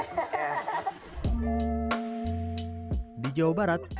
ini ibu kerjaan gemeteran bu